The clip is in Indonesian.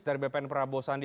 dari bpn prabowo sandi